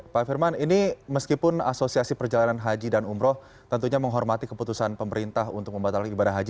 pak firman ini meskipun asosiasi perjalanan haji dan umroh tentunya menghormati keputusan pemerintah untuk membatalkan ibadah haji